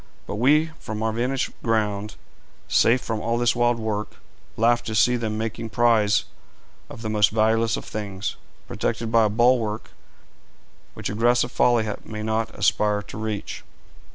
But we from our vantage ground, safe from all this wild work, laugh to see them making prize of the most valueless of things, protected by a bulwark which aggressive folly may not aspire to reach.'